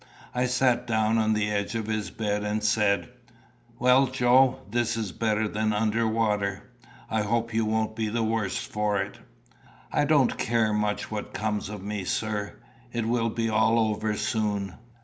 I sat down on the edge of his bed, and said, "Well, Joe, this is better than under water. I hope you won't be the worse for it." "I don't much care what comes of me, sir. It will be all over soon."